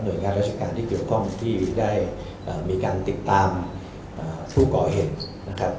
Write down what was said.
โดยงานราชการที่เกี่ยวข้องที่ได้มีการติดตามผู้ก่อเหตุนะครับ